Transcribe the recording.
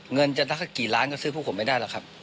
เงินจะสักกี่ล้านก็ซื้อพวกผมไม่ได้หรอกครับ